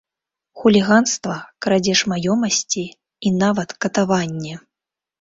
Хуліганства, крадзеж маёмасці, і нават катаванне!